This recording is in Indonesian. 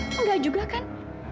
enggak juga kan